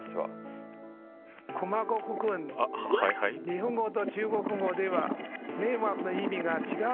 日本語と中国語では「迷惑」の意味が違うんです。